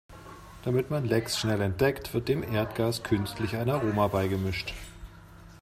Damit man Lecks schnell entdeckt, wird dem Erdgas künstlich ein Aroma beigemischt.